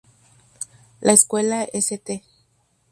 La escuela St.